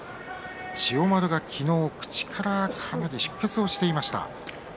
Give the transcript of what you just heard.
千代丸が昨日、口からかなり出血をしていました。